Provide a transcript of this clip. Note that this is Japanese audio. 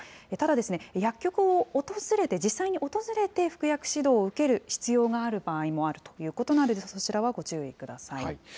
ただ、薬局を訪れて、実際に訪れて服薬指導を受ける必要があるという場合もあるということなので、そちらはご注意ください。